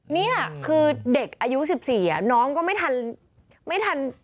นี่คือเด็กอายุ๑๔น้องก็ไม่ทันไม่ทัน